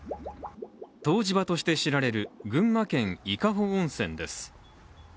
湯治場として知られる群馬県・伊香保温泉です。